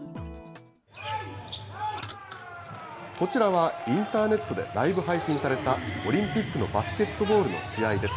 こちらはインターネットライブ配信された、オリンピックのバスケットボールの試合です。